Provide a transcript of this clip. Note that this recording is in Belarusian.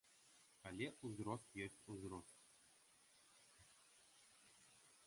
Але ўзрост ёсць узрост.